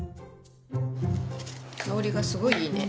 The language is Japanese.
香りがすごいいいね。